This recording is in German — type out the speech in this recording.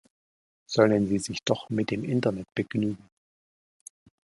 Sollen sie sich doch mit dem Internet begnügen!